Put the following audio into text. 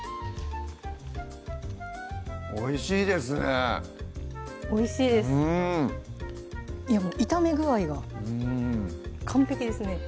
おいしいですねおいしいです炒め具合が完璧ですね